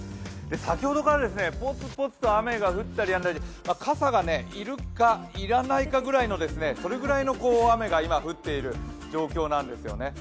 先ほどからポツポツと雨が降ったりやんだりで、傘がいるかいらないそれぐらいの雨が降っている状況なんですよね。